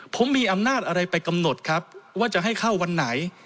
ผมมีอำนาจอะไรไปกำหนดครับว่าจะให้เข้าวันไหน